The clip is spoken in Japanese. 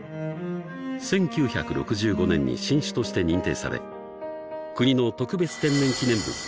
［１９６５年に新種として認定され国の特別天然記念物に指定された］